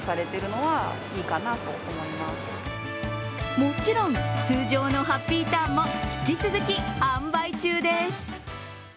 もちろん通常のハッピーターンも引き続き販売中です。